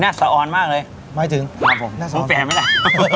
น่าสะออนมากเลยไม่จึงครับผมน่าสะออนมึงแฟนไหมแหละ